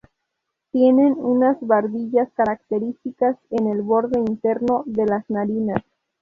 Tienen unas barbillas características en el borde interno de las narinas.